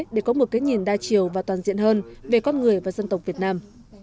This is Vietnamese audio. để có một cái nhìn đa chiều và toàn diện hơn về con người và dân tộc việt nam